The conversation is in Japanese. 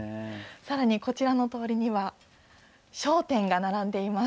さらにこちらの通りには、商店が並んでいます。